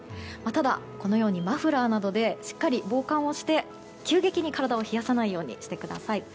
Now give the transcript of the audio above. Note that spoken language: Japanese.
ただ、マフラーなどでしっかり防寒をして急激に体を冷やさないようにしてください。